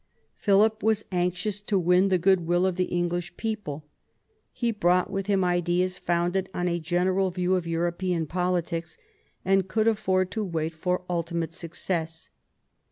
Philip was anxious to win the goodwill of the English people. He brought with him ideas founded on a general view of European politics, and could afford to wait for ultimate success.